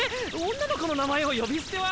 女の子の名前を呼び捨ては！